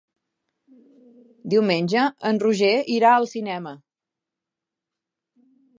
Diumenge en Roger irà al cinema.